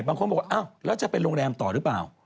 บางคนบอกว่าอ้าวแล้วจะเป็นโรงแรมต่อหรือเปล่า